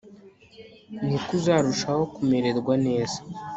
ni ko uzarushaho kumererwa neza